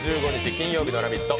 金曜日の「ラヴィット！」